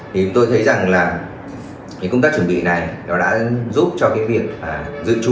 thì tôi thấy rằng là cái công tác chuẩn bị này nó đã giúp cho cái việc dự trù cũng như là đặt hàng cái lô vaccine mà có thể sử dụng cho đối tượng trẻ em